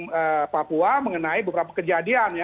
dari papua mengenai beberapa kejadian